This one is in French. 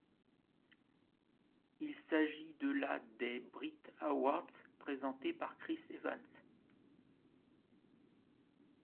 Il s'agit de la des Brit Awards, présentée par Chris Evans.